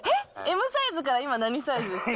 Ｍサイズから、今、何サイズですか？